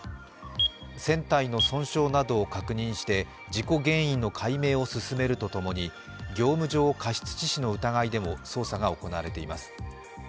船体の損傷などを確認して事故原因の解明を進めるとともに業務上過失致死の疑いでも捜査が行われています。